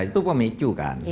itu pemicu kan